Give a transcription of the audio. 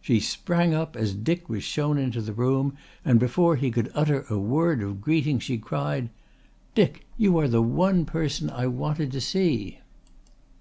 She sprang up as Dick was shown into the room, and before he could utter a word of greeting she cried: "Dick, you are the one person I wanted to see."